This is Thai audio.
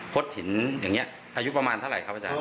ถิ่นอย่างนี้อายุประมาณเท่าไหร่ครับอาจารย์